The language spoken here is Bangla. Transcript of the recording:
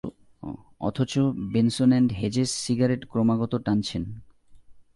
অথচ বেনসন অ্যান্ড হেজেস সিগারেট ক্রমাগত টানছেন।